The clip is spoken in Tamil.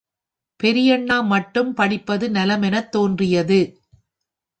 பெரியண்ணா மட்டும் படிப்பது நலமெனத் தோன்றியது.